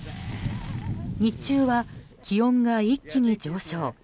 日中は気温が一気に上昇。